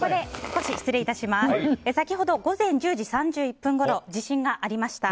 先ほど午前１０時３１分ごろ地震がありました。